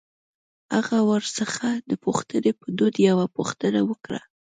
هغه ورڅخه د پوښتنې په دود يوه پوښتنه وکړه.